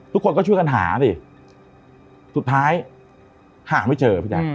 ทุกคนก็ช่วยกันหาสิสุดท้ายหาไม่เจอพี่แจ๊ค